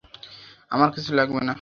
আমার কিছু লাগবে না।